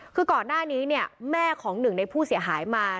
คือก่อนหน้านี้เนี่ยแม่ของหนึ่งในผู้เสียหายมา